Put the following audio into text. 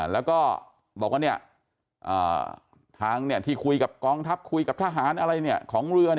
แล้วก็บอกว่าทางที่คุยกับกองทัพคุยกับทหารอะไรของเรือ